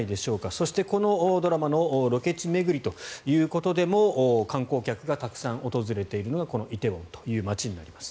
そして、このドラマのロケ地巡りということでも観光客がたくさん訪れているのがこの梨泰院という街になります。